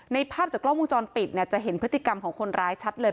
ภาพจากกล้องวงจรปิดเนี่ยจะเห็นพฤติกรรมของคนร้ายชัดเลย